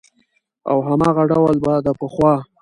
او هماغه ډول به د پخوا